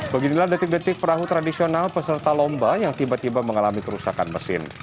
beginilah detik detik perahu tradisional peserta lomba yang tiba tiba mengalami kerusakan mesin